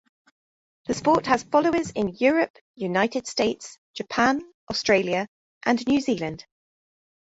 The sport has followers in Europe, United States, Japan, Australia and New Zealand.